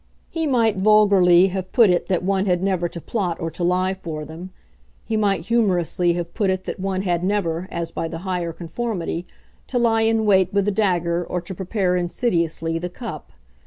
He might vulgarly have put it that one had never to plot or to lie for them; he might humourously have put it that one had never, as by the higher conformity, to lie in wait with the dagger or to prepare, insidiously, the cup.